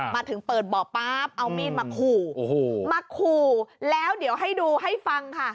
มาถึงเปิดเบาะป๊าบเอามีดมาขู่มาขู่แล้วเดี๋ยวให้ดูให้ฟังค่ะ